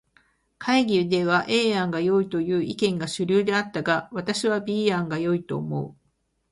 会議では A 案がよいという意見が主流であったが、私は B 案が良いと思う。